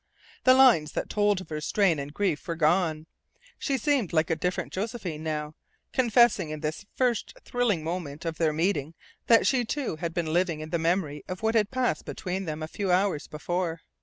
The lines that told of her strain and grief were gone. She seemed like a different Josephine now, confessing in this first thrilling moment of their meeting that she, too, had been living in the memory of what had passed between them a few hours before.